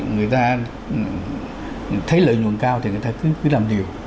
người ta thấy lợi nhuận cao thì người ta cứ làm điều